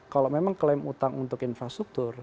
kalau memang klaim utang untuk infrastruktur